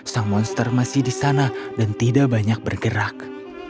sang monster masih di sana dan tidak banyak bergerak